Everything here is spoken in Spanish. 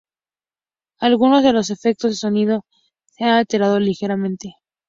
Algunos de los efectos de sonido se han alterado ligeramente.